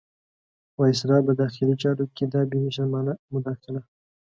وایسرا په داخلي چارو کې دا بې شرمانه مداخله.